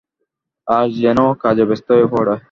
আর জেনও কাজে ব্যস্ত হয়ে পড়ে।